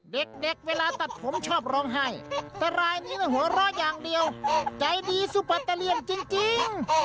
เด็กเวลาตัดผมชอบร้องไห้แต่รายนี้หัวเราะอย่างเดียวใจดีสุปัตเตอร์เลียนจริง